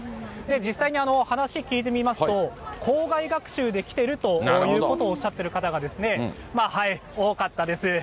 実際に話聞いてみますと、校外学習で来てるということをおっしゃってる方が多かったです。